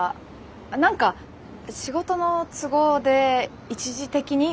何か仕事の都合で一時的に？みたいな。